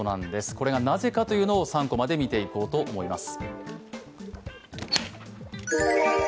これがなぜかというのを３コマで見ていきます。